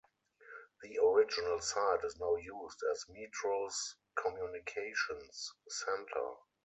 The original site is now used as Metro's communications center.